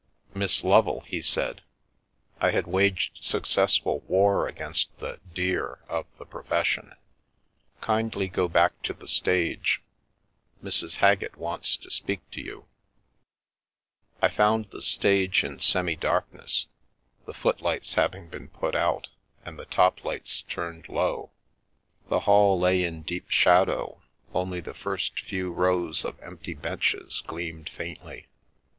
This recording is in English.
" Miss Lovel," he said (I had waged successful war against the "dear" of "the profession"), "kindly go back to the stage. Mrs. Haggett wants to speak to you." I found the stage in semi darkness, the footlights Being Fey having been put out and the top lightr turned low; the hall lay in deep shadow, only the first few rows of empty benches gleaming faintly.